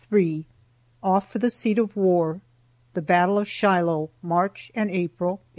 OFF FOR THE SEAT OF WAR. THE BATTLE OF SHILOH. MARCH AND APRIL, 1862.